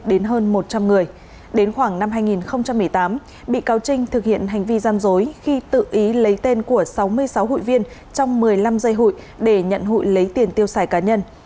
đến khoảng năm hai nghìn một mươi tám bị cáo trinh thực hiện hành vi gian dối khi tự ý lấy tên của sáu mươi sáu hụi viên trong một mươi năm dây hụi để nhận hụi lấy tiền tiêu xài cá nhân